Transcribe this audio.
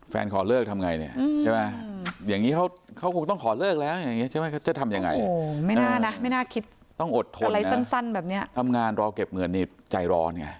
แฟนขอเลิกทำยังไงเหรอ